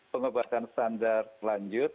pengobatan standar lanjut